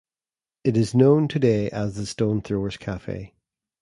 It is known today as Stone Throwers Cafe.